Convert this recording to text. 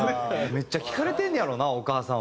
めっちゃ聞かれてんねやろなお母さんは。